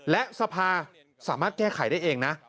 และสภาสามารถแก้ไขได้เองนะ